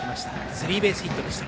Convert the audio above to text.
スリーベースヒットでした。